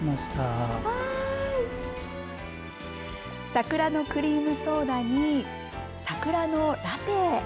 桜のクリームソーダに桜のラテ。